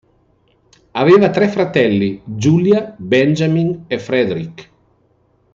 Aveva tre fratelli: Julia, Benjamin e Frederic.